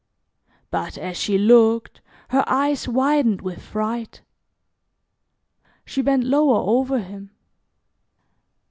But as she looked, her eyes widened with fright. She bent lower over him.